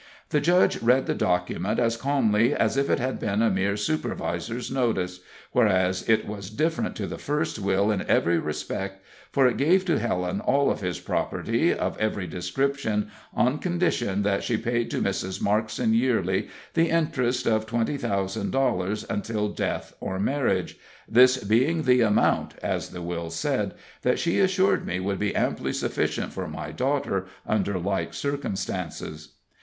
The judge read the document as calmly as if it had been a mere supervisor's notice, whereas it was different to the first will in every respect, for it gave to Helen all of his property, of every description, on condition that she paid to Mrs. Markson yearly the interest of twenty thousand dollars until death or marriage, "this being the amount," as the will said, "that she assured me would be amply sufficient for my daughter under like circumstances."